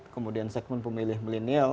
kemudian segmen pemilih milenial